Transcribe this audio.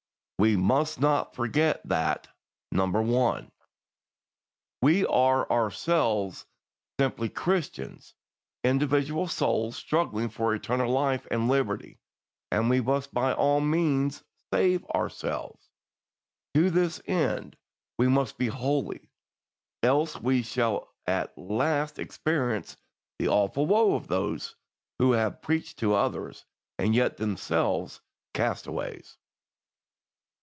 We must not forget that 1. We are ourselves simple Christians, individual souls struggling for eternal life and liberty, and we must by all means save ourselves. To this end we must be holy, else we shall at last experience the awful woe of those who, having preached to others, are yet themselves castaways.